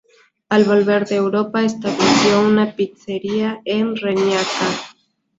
Al volver de Europa estableció una pizzería en Reñaca.